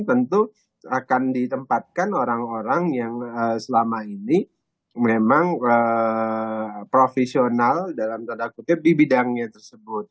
tentu akan ditempatkan orang orang yang selama ini memang profesional dalam tanda kutip di bidangnya tersebut